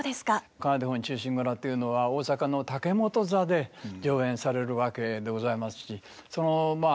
「仮名手本忠臣蔵」というのは大坂の竹本座で上演されるわけでございますしまあ